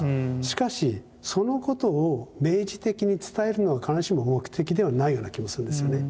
しかしそのことを明示的に伝えるのは必ずしも目的ではないような気もするんですよね。